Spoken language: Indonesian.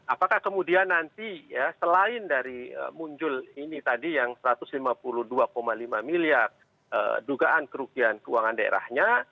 apakah kemudian nanti ya selain dari muncul ini tadi yang satu ratus lima puluh dua lima miliar dugaan kerugian keuangan daerahnya